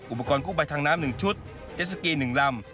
อุปกรณ์กู้ภัยทางน้ำ๑ชุดเจสสกี๑ลำ